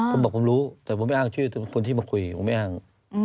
ผมบอกผมรู้แต่ผมไม่อ้างชื่อคนที่มาคุยผมไม่อ้าง